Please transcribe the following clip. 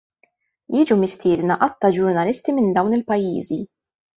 Jiġu mistiedna għadd ta' ġurnalisti minn dawn il-pajjiżi.